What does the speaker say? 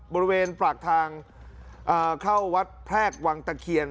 บริเวณปากทางเข้าวัดแพรกวังตะเคียน